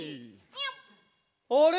「あれ！